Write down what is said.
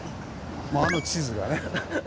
もうあの地図がね。